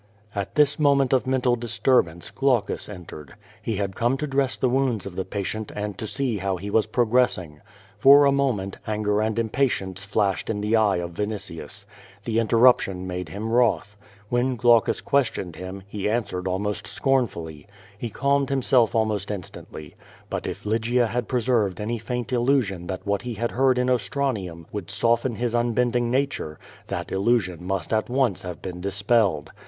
At this moment of mental distarhance Glaucuft entered. He had come to dress the wounds of the patient and to aee QUO VADI8. 211 how he was progressing. For a moment anger and impa tience flashed in the eye of Vinitius. Tlie interruption made him wrotli. When Glaucus questioned him, he an swered ahnost scornfully, lie calmed himself almost in stantly. lUit if Lygia had preserved any faint illusion that what he had heard in Ostranium would soften his unbend ing nature, that illusion must at once have been dispelled.